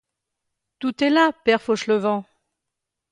Tout est là, père Fauchelevent.